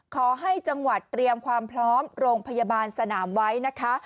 ขอให้จังหวัดเตรียมความพร้อมโรงพยาบาลสนามไว้นะคะ